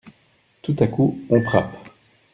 Tout à coup on frappe.